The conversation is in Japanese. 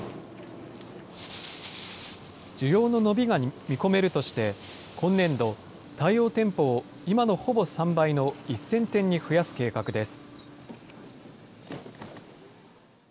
需要の伸びが見込めるとして、今年度、対応店舗を今のほぼ３倍の１０００店に増やす計画です。